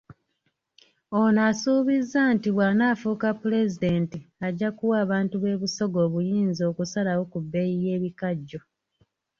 Ono asuubizza nti bw'anaafuuka Pulezidenti ajja kuwa abantu b'e Busoga obuyinza okusalawo ku bbeeyi y'ebikajjo.